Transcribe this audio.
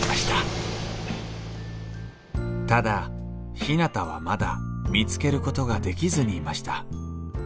ただひなたはまだ見つけることができずにいました。